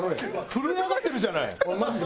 震え上がってるじゃない！